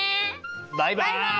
バイバイ！